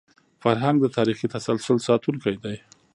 فرهنګ د تاریخي تسلسل ساتونکی دی.